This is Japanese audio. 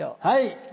はい。